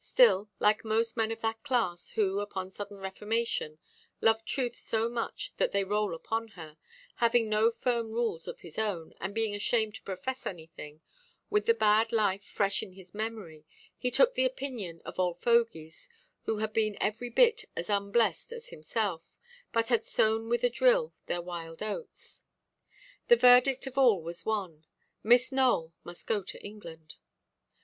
Still, like most men of that class, who, upon sudden reformation, love Truth so much that they roll upon her, having no firm rules of his own, and being ashamed to profess anything, with the bad life fresh in memory, he took the opinion of old fogeys who had been every bit as unblest as himself, but had sown with a drill their wild oats. The verdict of all was one—"Miss Nowell must go to England."